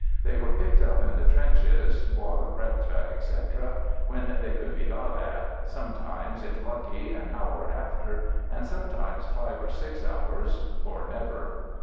They were picked up in the trenches (Bois le Pretre, etc.) when they could be got at — sometimes, if lucky, an hour after, and sometimes five or six hours — or never.